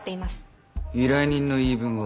依頼人の言い分は？